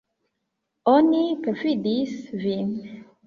Oni perfidis vin.